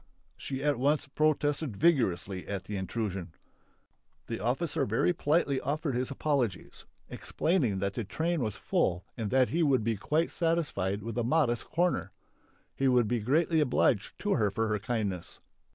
She at once protested vigorously at the intrusion. The officer very politely offered his apologies, explaining that the train was full and that he would be quite satisfied with a modest corner. He would be greatly obliged to her for her kindness.